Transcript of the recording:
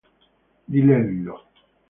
Di Lello